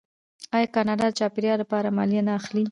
آیا کاناډا د چاپیریال لپاره مالیه نه اخلي؟